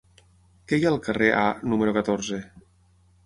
Què hi ha al carrer A número catorze?